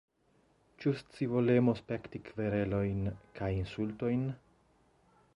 Ĉu scivolemo spekti kverelojn kaj insultojn?